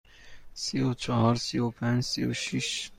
سی و چهار، سی و پنج، سی و شش.